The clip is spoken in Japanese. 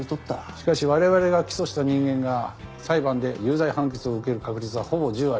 しかし我々が起訴した人間が裁判で有罪判決を受ける確率はほぼ１０割。